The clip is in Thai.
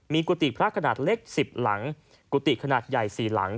มีกุฏิพระขนาดเล็ก๑๐หลังกุฏิขนาดใหญ่๔หลัง